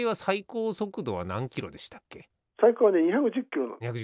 最高はね２１０キロ。